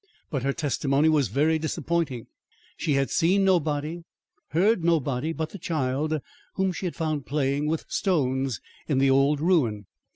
"But her testimony was very disappointing. She had seen nobody, heard nobody but the child whom she had found playing with stones in the old ruin.